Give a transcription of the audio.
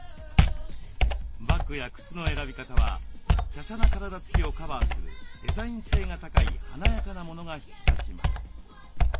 バッグや靴の選び方は華奢な体つきをカバーするデザイン性が高い華やかなものが引き立ちます。